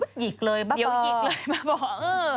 เดี๋ยวหยิกเลยบ้าปอเดี๋ยวหยิกเลยบ้าปออือ